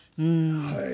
はい。